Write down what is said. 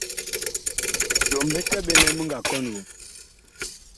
Byom bisɛ ɓe nɛ mi nga kɔn woŋ.